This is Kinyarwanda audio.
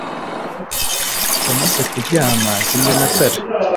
Umaze kuryama zimya amatara.